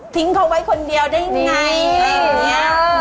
ทิ้งเขาไว้คนเดียวได้ไงอย่างนี้